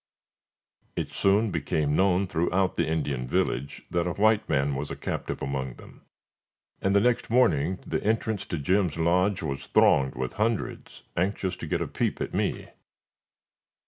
It soon became known throughout the Indian village that a white man was a captive among them, and the next morning the entrance to Jim's lodge was thronged with hundreds anxious to get a peep at me.